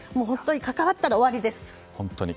関わったら終わりです。